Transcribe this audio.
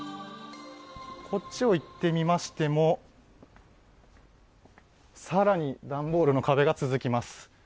こっちを行ってみましても更に段ボールの壁が続きます。